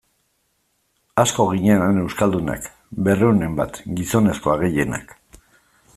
Asko ginen han euskaldunak, berrehunen bat, gizonezkoak gehienak.